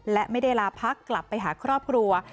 และไม่ได้ลาพักกลับไปหาครอบครัว